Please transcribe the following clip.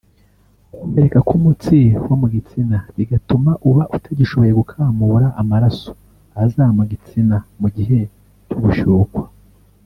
Gukomereka kw’umutsi wo mu gitsina bigatuma uba utagishoboye gukamura amaraso aza mu gitsina mu gihe cyo gushyukwa